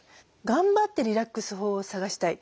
頑張ってリラックス法を探したい。